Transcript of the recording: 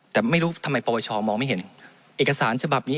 แต่ไม่รู้ทำไมประวัติศาสตร์มองไม่เห็นเอกสารฉบับนี้